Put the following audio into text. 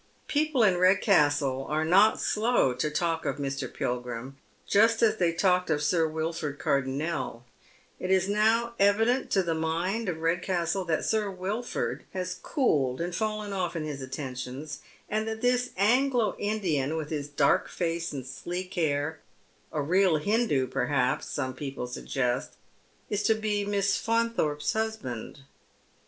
People in Redcastle are not slow to talk of Mr. Pilgrim just as they talked of Sir Wilford Cardonnel. It is now evident to the mind of Redcastle that Sir Wilford has cooled and fallen ofE in his attentions, and that this Anglo Indian, with his dark face and sleek hair — a real Hindoo, perhaps, some people suggest — is to be Miss Faunthorpe's husband.